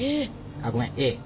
あっごめんＡ。